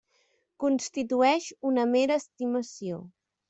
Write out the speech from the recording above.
Constitueix una mera estimació.